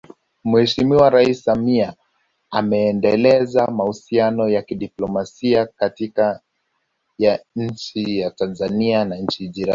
Mheshimiwa Rais Samia ameendeleza mahusiano ya kidiplomasia kati ya Tanzania na nchi jirani